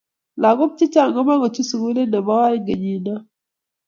laak chechang komokuchut sukulit nebo oeng kenyiinoo